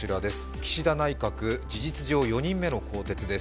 岸田内閣、事実上、４人目の更迭です。